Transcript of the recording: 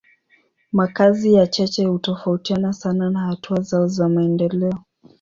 Makazi ya cheche hutofautiana sana na hatua zao za maendeleo.